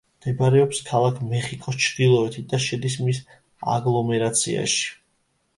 მდებარეობს ქალაქ მეხიკოს ჩრდილოეთით და შედის მის აგლომერაციაში.